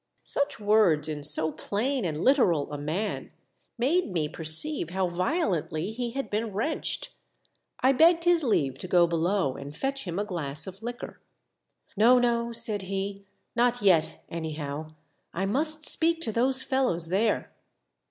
Such words in so plain and literal a man made me perceive how violently he had been wrenched. I begged his leave to go below and fetch him a glass of liquor. *' No. no," said he, "not yet, anyhow. I must speak to those fellows there."